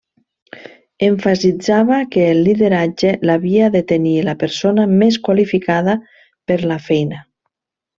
Emfasitzava que el lideratge l'havia de tenir la persona més qualificada per la feina.